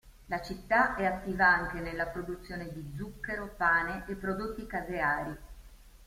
La città è attiva anche nella produzione di zucchero, pane e prodotti caseari.